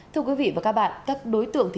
thưa quý vị và các bạn